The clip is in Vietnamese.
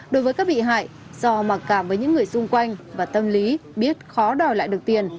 đối với các bị hại do mặc cảm với những người xung quanh và tâm lý biết khó đòi lại được tiền